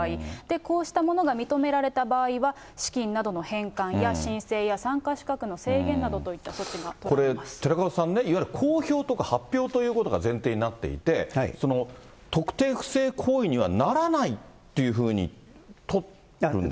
こうしたものが認められた場合は、資金などの返還や申請や参加資格の制限などといった措置が取られこれ、寺門さんね、いわゆる公表とか発表ということが前提になっていて、特定不正行為にはならないっていうふうにとったんですか。